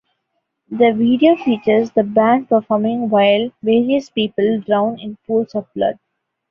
The video features the band performing while various people drown in pools of blood.